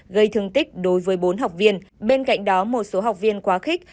gây thương tích đối với bốn học viên bên cạnh đó một số học viên quá khích